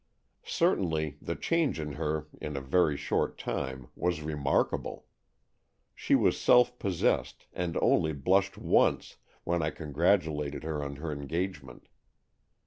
Certainly, the change in her in a very short time was remarkable. She was self pos sessed, and only blushed once — when I con gratulated her on her engagement.